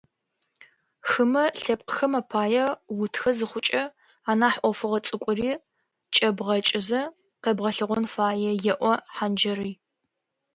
«Хымэ лъэпкъхэм апае утхэ зыхъукӏэ, анахь ӏофыгъо цӏыкӏури кӏэбгъэкӏызэ къэбгъэлъэгъон фае», - еӏо Хъанджэрый.